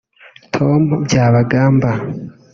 Tom Byabagamba